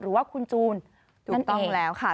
หรือว่าคุณจูนถูกต้องแล้วค่ะ